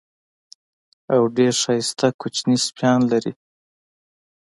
او ډېر ښایسته کوچني سپیان لري.